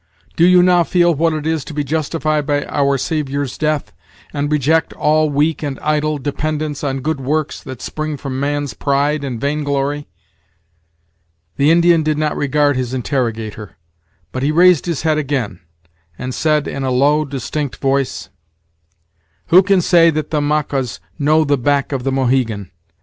Do you now feel what it is to be justified by our Saviour's death, and reject all weak and idle dependence on good works, that spring from man's pride and vainglory?" The Indian did not regard his interrogator, but he raised his head again, and said in a low, distinct voice: "Who can say that the Maqous know the back of the Mohegan?